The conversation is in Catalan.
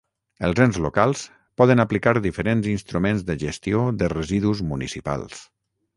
Els ens locals poden aplicar diferents instruments de gestió de residus municipals.